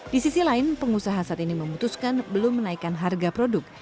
di sisi lain pengusaha saat ini memutuskan belum menaikkan harga produk